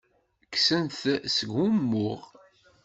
Kksen-t seg wumuɣ.